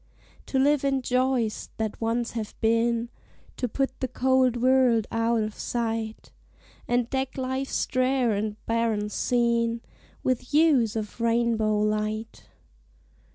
To live in joys that once have been, To put the cold world out of sight, And deck life's drear and barren scene With hues of rainbow light.